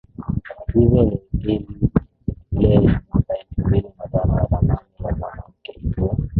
hizo ni ile ya mwaka elfu mbili na tano ya thamani ya mwanamke ikiwa